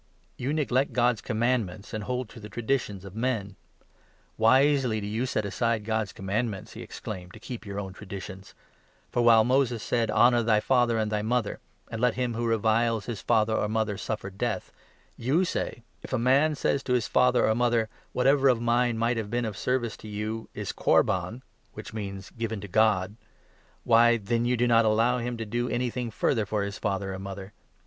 You neglect God's commandments and hold to the traditions of men. Wisely do you set aside God's commandments," he ex claimed, "to keep your own traditions ! For while Moses said ' Honour thy father and thy mother,' and * Let him who reviles his father or mother suffer death,' you say ' If a man says to his father or mother " Whatever of mine might have been of service to you is Korban "' (which means 'Given to God') — why, then you do not allow him to do anything further for his father or mother!